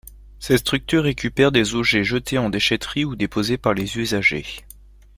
Cette structure récupère des objets jetés en déchèteries ou déposés par les usagers.